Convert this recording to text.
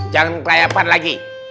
jangan kelayapan lagi